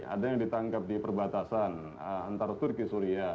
ada yang ditangkap di perbatasan antar syria